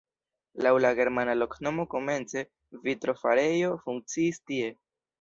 Laŭ la germana loknomo komence vitrofarejo funkciis tie.